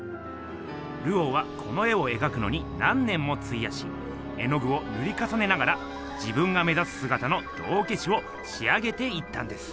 ルオーはこの絵をえがくのに何年もついやし絵のぐをぬりかさねながら自分が目ざすすがたの道けしをし上げていったんです。